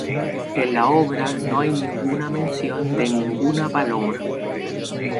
En la obra no hay ninguna mención de ninguna paloma.